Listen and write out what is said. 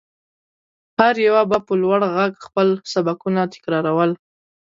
هر يوه به په لوړ غږ خپل سبقونه تکرارول.